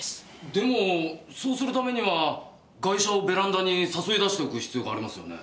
でもそうするためにはガイシャをベランダに誘い出しておく必要がありますよね。